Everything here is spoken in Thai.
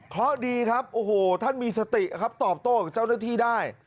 เพราะดีครับโอ้โหท่านมีสติครับตอบโต้กับเจ้าหน้าที่ได้